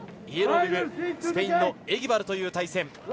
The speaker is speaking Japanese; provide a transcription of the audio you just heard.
イエロービブスペインのエギバルという対戦。